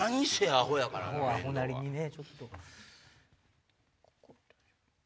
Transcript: アホはアホなりにねちょっと。